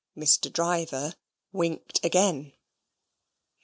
Mr. Driver winked again.